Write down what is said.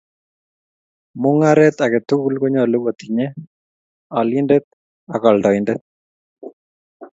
Mung'aret age tugul konyolu kotinye alindet ak aldaindet